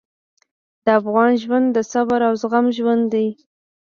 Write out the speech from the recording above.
د افغان ژوند د صبر او زغم ژوند دی.